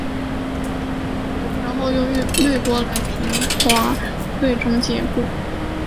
然后用滤波来平滑最终结果。